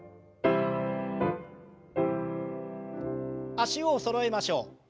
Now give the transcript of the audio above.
脚をそろえましょう。